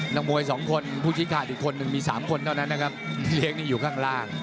นักมวยสองคนผู้ชี้ขาดอีกคนนึงมี๓คนเท่านั้นนะครับพี่เลี้ยงนี่อยู่ข้างล่าง